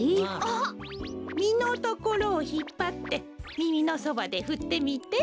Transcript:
みのところをひっぱってみみのそばでふってみて。